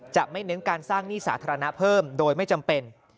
จะไม่เน้นการสร้างหนี้สาธารณะเพิ่มโดยไม่จำเป็น